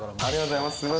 ありがとうございます。